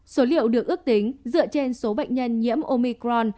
số liệu được ước tính dựa trên số bệnh nhân nhiễm omicron